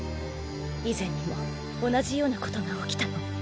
以前にも同じようなことが起きたの。